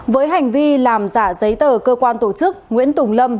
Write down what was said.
với hành vi làm giả giấy tờ cơ quan tổ chức nguyễn tùng lâm